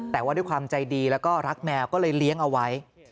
แต่ว่าด้วยความใจดีแล้วก็รักแมวก็เลยเลี้ยงเอาไว้